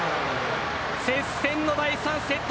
接戦の第３セット。